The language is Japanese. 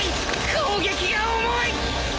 攻撃が重い！